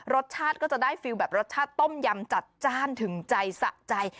รสชาติก็จะได้ฟิลแบบรสชาติต้มยำจัดจ้านถึงใจสะใจ